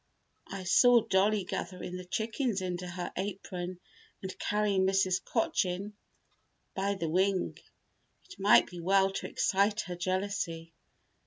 I saw Dollie gathering the chickens into her apron and carrying Mrs. Cochin by the wing. It might be well to excite her jealousy.